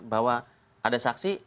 bahwa ada saksi